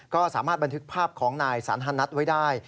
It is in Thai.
ก็สามารถบันทึกภาพของนายสันธนัทไว้ได้